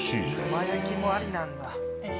かば焼きもありなんだ。